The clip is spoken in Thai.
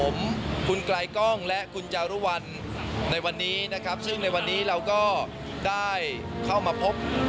ผมคุณไกลกล้องและคุณจารุวัลในวันนี้นะครับซึ่งในวันนี้เราก็ได้เข้ามาพบ